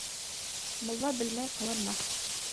Мулла белмәй ҡыланмаҫ.